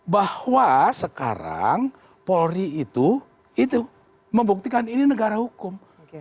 bahwa sekarang polri itu membuktikan ini negara hukum